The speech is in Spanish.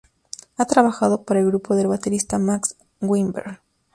Ha trabajado para el grupo del baterista Max Weinberg.